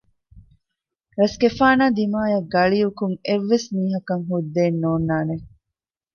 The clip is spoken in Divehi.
ރަސްގެފާނާ ދިމާއަށް ގަޅިއުކަން އެއްވެސް މީހަކަށް ހުއްދައެއް ނޯންނާނެ